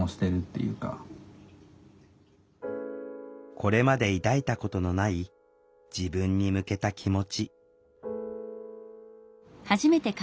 これまで抱いたことのない自分に向けた気持ち。